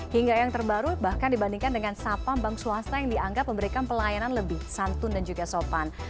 hingga yang terbaru bahkan dibandingkan dengan sapa bank swasta yang dianggap memberikan pelayanan lebih santun dan juga sopan